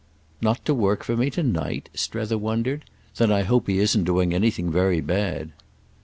"Not to work for me to night?" Strether wondered. "Then I hope he isn't doing anything very bad."